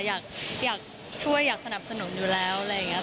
อยากช่วยอยากสนับสนุนอยู่แล้วอะไรอย่างนี้